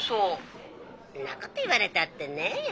☎そんなこと言われたってねえ。